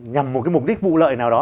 nhằm một cái mục đích vụ lợi nào đó